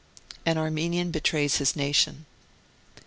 ...* AN ARMENIAN BETRAYS His NATION.